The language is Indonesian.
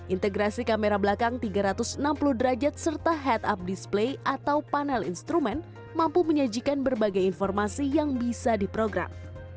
integrasi kamera belakang tiga ratus enam puluh derajat serta head up display atau panel instrumen mampu menyajikan berbagai informasi yang bisa diprogram